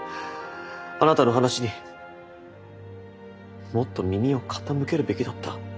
あなたの話にもっと耳を傾けるべきだった。